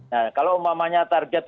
nah kalau umumnya target